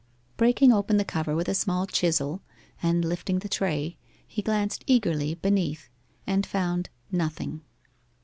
Breaking open the cover with a small chisel, and lifting the tray, he glanced eagerly beneath, and found nothing.